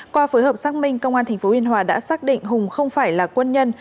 qua phối hợp xác minh công an tp biên hòa đã xác định hùng không phải là quân nhân